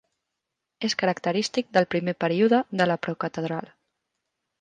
És característic del primer període de la procatedral.